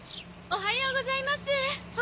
おはようございます。